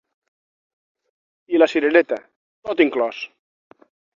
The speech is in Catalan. I la cirereta: tot inclòs.